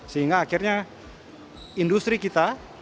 sehingga akhirnya industri kita